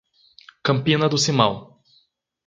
Campina do Simão